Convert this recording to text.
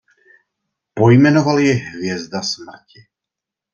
Pojmenoval ji Hvězda smrti.